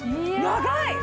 長い！